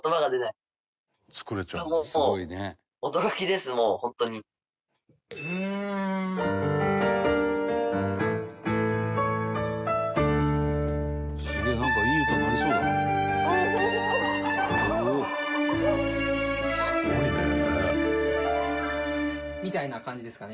「すごいね」みたいな感じですかね？